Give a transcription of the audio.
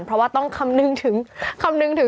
เพราะว่าต้องคำนึงถึง